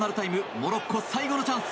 モロッコ最後のチャンス。